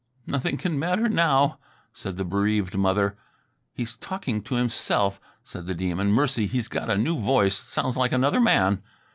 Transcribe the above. "Nothing can matter now," said the bereaved mother. "He's talking himself," said the Demon. "Mercy he's got a new voice ... sounds like another man.